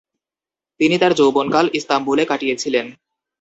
তিনি তার যৌবনকাল ইস্তাম্বুলে কাটিয়েছিলেন।